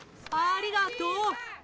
ありがとう！